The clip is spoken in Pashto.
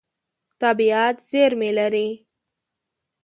طبیعت زېرمې لري.